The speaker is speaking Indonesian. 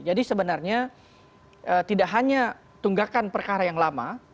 jadi sebenarnya tidak hanya tunggakan perkara yang lama